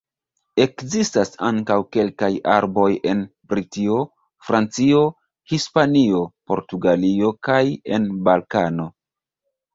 Ekzistas ankaŭ kelkaj arboj en Britio, Francio, Hispanio, Portugalio kaj en Balkano.